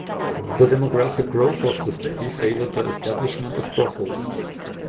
Demographic growth of the city favoured the establishment of brothels.